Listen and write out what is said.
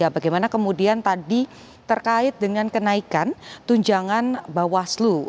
bagaimana kemudian tadi terkait dengan kenaikan tunjangan bawaslu